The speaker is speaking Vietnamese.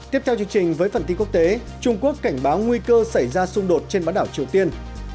tiếp theo chương trình với phần tin quốc tế trung quốc cảnh báo nguy cơ xảy ra xung đột trên bán đảo triều tiên